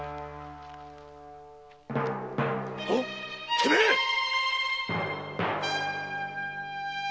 てめえは！